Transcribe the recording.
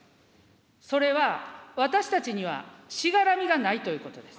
それは私たちにはしがらみがないということです。